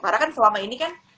karena kan selama ini kan